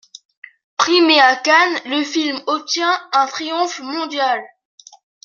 Primé à Cannes, le film obtient un triomphe mondial.